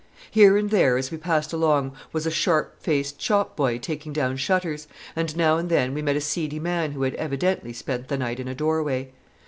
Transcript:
Here and there as we passed along was a sharp faced shop boy taking down shutters; and now and then we met a seedy man who had evidently spent the night in a doorway.